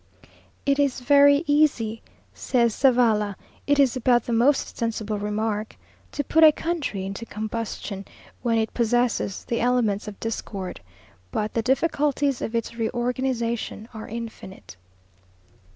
"It is very easy," says Zavala, it is about the most sensible remark, "to put a country into combustion, when it possesses the elements of discord; but the difficulties of its re organization are infinite."